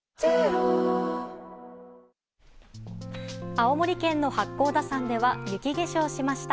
青森県の八甲田山では雪化粧しました。